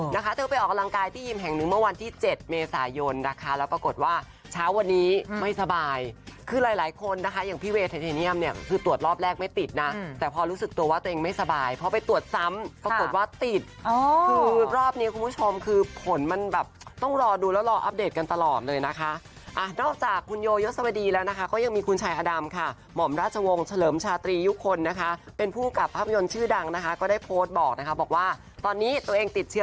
นะคะเธอไปออกกำลังกายที่ยิ่มแห่งนึงเมื่อวันที่เจ็ดเมษายนนะคะแล้วปรากฏว่าเช้าวันนี้ไม่สบายคือหลายหลายคนนะคะอย่างพี่เวย์ไทยเนี้ยมเนี้ยคือตรวจรอบแรกไม่ติดน่ะแต่พอรู้สึกตัวว่าตัวเองไม่สบายพอไปตรวจซ้ำปรากฏว่าติดคือรอบนี้คุณผู้ชมคือผลมันแบบต้องรอดูแล้วรออัปเดตกันตลอ